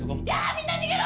みんな逃げろ！